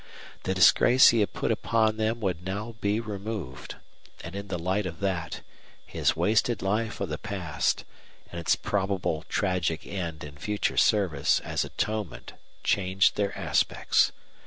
The disgrace he had put upon them would now be removed; and in the light of that, his wasted life of the past, and its probable tragic end in future service as atonement changed their aspects.